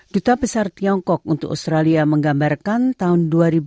duta besar tiongkok untuk australia menggambarkan tahun dua ribu dua puluh